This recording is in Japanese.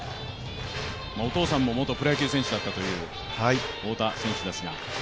お父さんも元プロ野球選手だったという太田選手ですが。